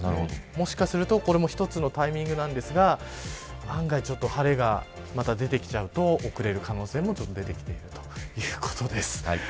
もしかすると、これも一つのタイミングなんですが案外、ちょっと晴れがまた出できちゃうと遅れる可能性も出てきているということです。